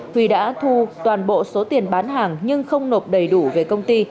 huy đã thu toàn bộ số tiền bán hàng nhưng không nộp đầy đủ về công ty